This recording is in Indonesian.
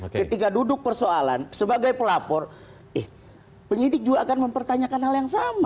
ketika duduk persoalan sebagai pelapor penyidik juga akan mempertanyakan hal yang sama